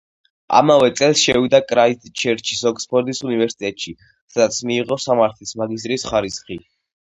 ამავე წელს შევიდა კრაისტჩერჩის ოქსფორდის უნივერსიტეტში, სადაც მიიღო სამართლის მაგისტრის ხარისხი.